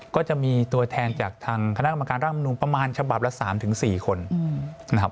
ก็จะมีตัวแทนจากทางคณะกรรมการร่างมนุนประมาณฉบับละ๓๔คนนะครับ